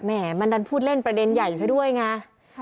มันดันพูดเล่นประเด็นใหญ่ซะด้วยไง